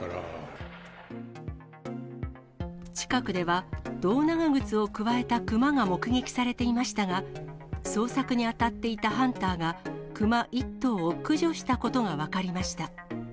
近くでは、胴長靴をくわえたクマが目撃されていましたが、捜索に当たっていたハンターが、クマ１頭を駆除したことが分かりました。